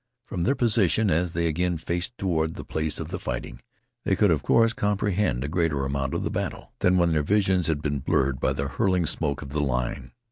From their position as they again faced toward the place of the fighting, they could of course comprehend a greater amount of the battle than when their visions had been blurred by the hurling smoke of the line.